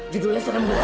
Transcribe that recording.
jadinya serem banget sih